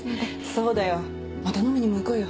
そうだよまた飲みにも行こうよ。